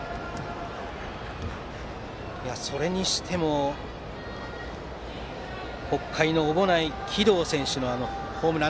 それにしても北海の小保内貴堂選手のあのホームラン。